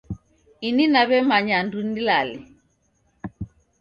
Ini naw'emanya andu nilale